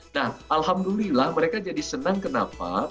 nah alhamdulillah mereka jadi senang kenapa